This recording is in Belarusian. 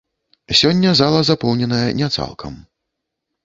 Сёння зала запоўненая не цалкам.